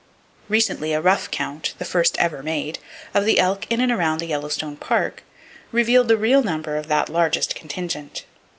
Recently, a rough count—the first ever made—of the elk in and around the Yellowstone Park, revealed the real number of that largest contingent.